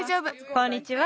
こんにちは。